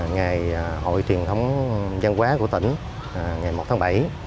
ngày hội truyền thống văn hóa của tỉnh ngày một tháng bảy